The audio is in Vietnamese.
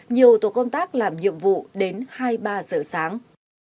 nhiều tổ công tác làm nhiệm vụ đến hai ba giờ sáng